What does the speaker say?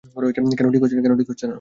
কেন ঠিক হচ্ছে না?